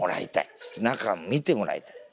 そして中見てもらいたい。